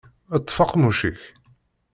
Ṭṭef aqemmuc-ik!